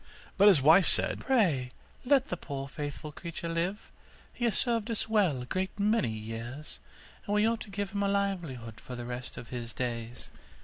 But his wife said, 'Pray let the poor faithful creature live; he has served us well a great many years, and we ought to give him a livelihood for the rest of his days.